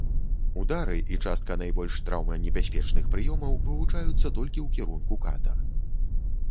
Удары і частка найбольш траўманебяспечных прыёмаў вывучаюцца толькі ў кірунку ката.